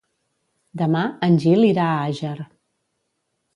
Demà en Gil irà a Àger.